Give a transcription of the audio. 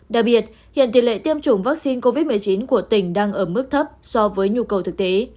đặc biệt hiện tỷ lệ tiêm chủng vaccine covid một mươi chín của tỉnh đang ở mức thấp so với nhu cầu thực tế